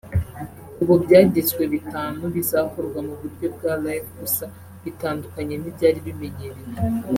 ubu byagizwe bitanu bizakorwa mu buryo bwa live gusa bitandukanye n’ibyari bimenyerewe